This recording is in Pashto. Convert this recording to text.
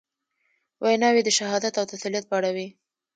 ویناوي د شهادت او تسلیت په اړه وې.